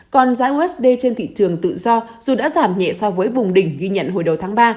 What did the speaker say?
còn giá usd trên thị trường tự do dù đã giảm nhẹ so với vùng đỉnh ghi nhận hồi đầu tháng ba